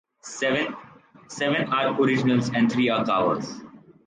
Seven are originals and three are covers.